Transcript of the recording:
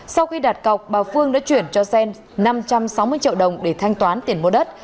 sau khi đạt cọc bà phương đã chuyển cho xen năm trăm sáu mươi triệu đồng để thanh toán tiền mua đất